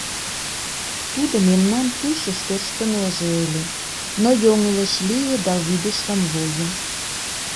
Тудо мемнан пушыш тӧрштынеже ыле, но йоҥылыш лие да вӱдыш камвозо.